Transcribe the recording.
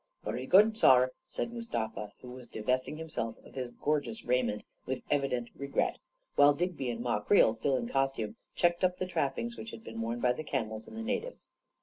" Vurry good, saar," said Mustafa, who was di vesting himself of his gorgeous raiment with evi dent regret, while Digby and Ma Creel, still in costume, checked up the trappings which had been worn by the camels and the natives.